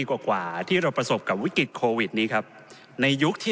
กว่ากว่าที่เราประสบกับวิกฤตโควิดนี้ครับในยุคที่